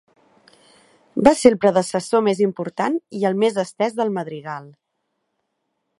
Va ser el predecessor més important i el més estès del madrigal.